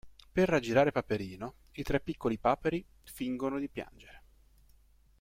Per raggirare Paperino, i tre piccoli paperi fingono di piangere.